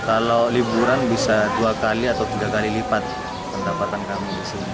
kalau liburan bisa dua kali atau tiga kali lipat pendapatan kami di sini